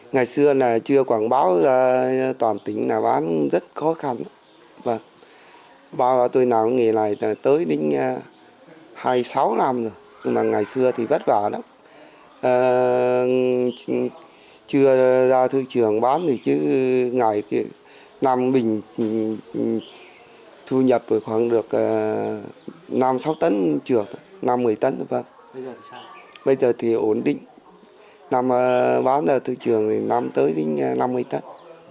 năm sáu tấn trường năm một mươi tấn thôi bây giờ thì ổn định năm bán từ trường thì năm tới đến năm một mươi tấn